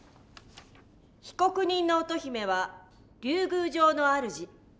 被告人の乙姫は竜宮城のあるじ。